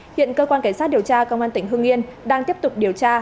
hiện cơ quan cảnh sát điều tra công an tỉnh hương yên đang tiếp tục điều tra